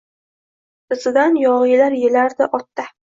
Izidan yogʻiylar yelardi otda